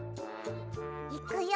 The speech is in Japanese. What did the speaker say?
いくよ！